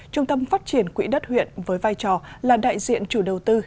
trung tâm phát triển quỹ đất huyện với vai trò là đại diện chủ đầu tư